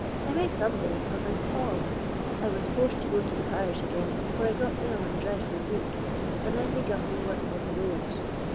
I may some day, 'cause I'm talL I was forced to go to the parish again, fur I got ill and dreadful weak, and then they guv me work on the roads.